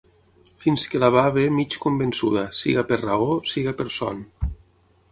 Fins que la va haver mig convençuda, siga per raó, siga per son.